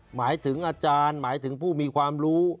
หมายถึงอาจารย์หมายถึงผู้มีความรู้